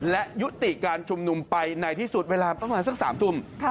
และยุติการชุมนุมไปในที่สุดเวลาประมาณสัก๓ทุ่ม